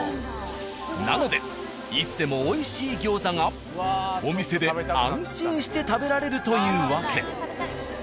なのでいつでも美味しい餃子がお店で安心して食べられるというわけ。